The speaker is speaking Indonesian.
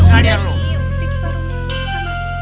umi udah nih yang mesti perut